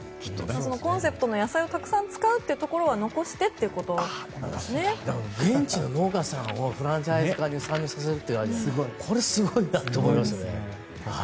コンセプトの野菜をたくさん使うところは現地の農家さんをフランチャイズ化に参入するというのはこれはすごいなって思いますね。